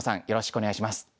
よろしくお願いします。